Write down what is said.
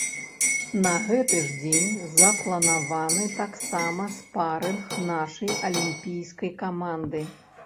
На гэты ж дзень запланаваны тамсама спарынг нашай алімпійскай каманды.